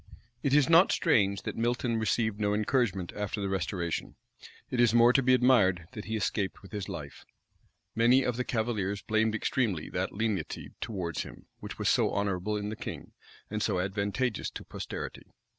It is not strange that Milton received no encouragement after the restoration: it is more to be admired that he escaped with his life. Many of the cavaliers blamed extremely that lenity towards him, which was so honorable in the king, and so advantageous to posterity.